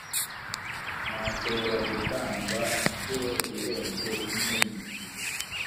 ntashobora gutangwa inshuro irenze imwe mu gihe